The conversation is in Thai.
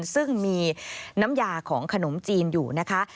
ซึ่งมีน้ำยาของขนมจีนอยู่นะคะ